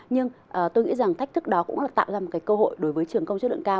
nhưng tôi nghĩ rằng thách thức đó cũng là tạo ra một cơ hội đối với trường công chất lượng cao